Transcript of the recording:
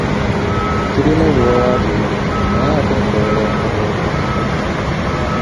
Sirina biwaawaatiro naye ate nsobola okubuuka.